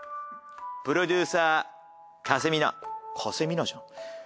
プロデューサーカセミナ加瀬未奈じゃん。